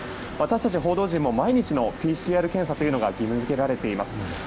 私たち報道陣も毎日のＰＣＲ検査が義務付けられています。